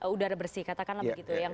udara bersih katakanlah begitu yang